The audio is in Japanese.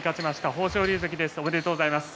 豊昇龍関です。